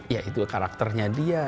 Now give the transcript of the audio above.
ya itu karakternya dia